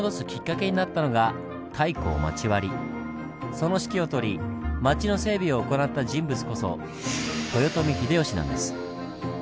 その指揮を執り町の整備を行った人物こそ豊臣秀吉なんです。